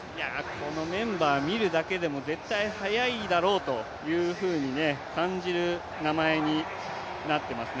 このメンバーを見るだけでも、絶対速いだろうと感じる名前になっていますね。